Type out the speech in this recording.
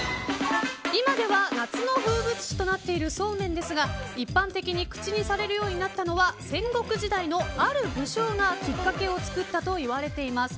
今では夏の風物詩となっているそうめんですが、一般的に口にされるようになったのは戦国時代のある武将がきっかけを作ったといわれています。